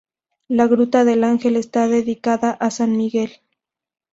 La Gruta del Ángel está dedicada a San Miguel.